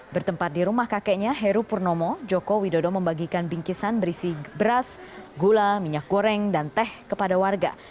bertempat di rumah kakeknya heru purnomo joko widodo membagikan bingkisan berisi beras gula minyak goreng dan teh kepada warga